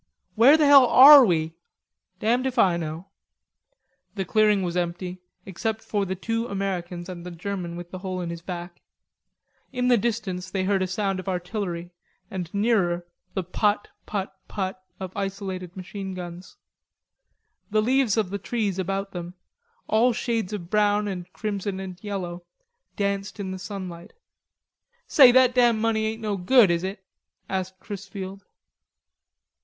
"Where the hell are we?" "Damned if I know." The clearing was empty, except for the two Americans and the German with the hole in his back. In the distance they heard a sound of artillery and nearer the "put, put, put" of isolated machine guns. The leaves of the trees about them, all shades of brown and crimson and yellow, danced in the sunlight. "Say, that damn money ain't no good, is it?" asked Chrisfield.